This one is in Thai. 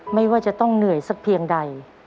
ไม่ว่าจะต้องเหนื่อยสักเพียงใด